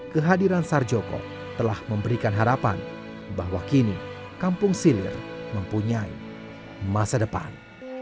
kehadiran sarjoko telah memberikan harapan bahwa kini kampung silir mempunyai masa depan